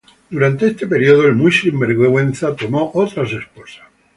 Durante este período, el profeta Joseph tomó otras esposas.